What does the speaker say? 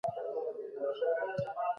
هغه دولت چي عاید ونه لري، کمزوری کیږي.